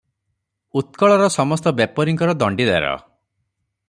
ଉତ୍କଳର ସମସ୍ତ ବେପରୀଙ୍କର ଦଣ୍ଡିଦାର ।